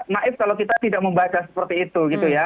naif kalau kita tidak membaca seperti itu gitu ya